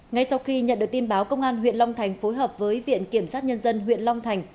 ngay sau khi nhận được tin báo công an huyện long thành phối hợp với viện kiểm sát nhân dân huyện long thành